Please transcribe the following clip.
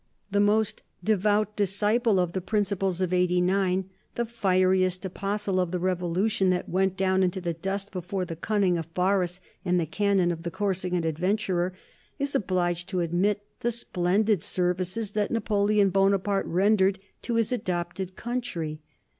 The most devout disciple of the principles of '89, the fieriest apostle of the Revolution that went down into the dust before the cunning of Barras and the cannon of the Corsican adventurer, is obliged to admit the splendid services that Napoleon Bonaparte rendered to his adopted country.